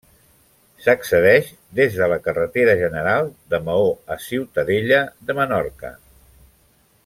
S'accedeix des de la carretera general de Maó a Ciutadella de Menorca.